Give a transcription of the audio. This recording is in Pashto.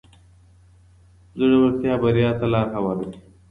زړورتیا بریا ته لاره هواروي.